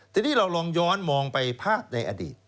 ทีนี้เราลองย้อนมองไปภาพในอดีต